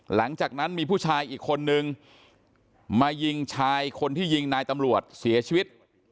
หลังจากนั้นมีผู้ชายอีกคนนึงมายิงชายคนที่ยิงนายตำรวจเสียชีวิต